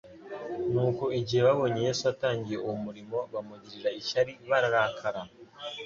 Nuko igihe babonye Yesu atangiye uwo murimo bamugirira ishyari bararakara.